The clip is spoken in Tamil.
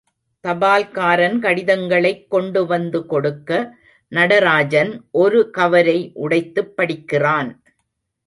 தபால்காரன் கடிதங்களைக் கொண்டு வந்து கொடுக்க நடராஜன் ஒரு கவரை உடைத்துப் படிக்கிறான்.